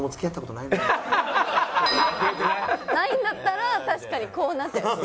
ないんだったら確かにこうなっちゃいそう。